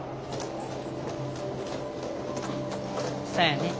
そやね。